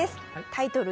タイトル